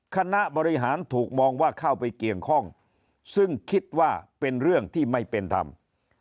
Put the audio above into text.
คณะบริหารถูกมองว่าเข้าไปเกี่ยวข้องซึ่งคิดว่าเป็นเรื่องที่ไม่เป็นธรรม